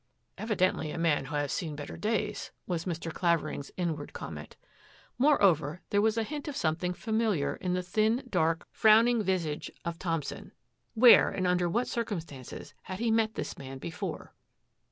" Evidently a who has seen better days," was Mr. Claveri inward comment. Moreover, there was a of something familiar in the thin, dark, frowi visage of Thompson. Where and under what cumstances had he met this man before?